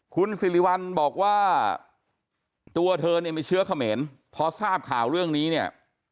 คุณสิริวัลบอกว่าตัวเธอเนี่ยมีเชื้อเขมรพอทราบข่าวเรื่องนี้เนี่ย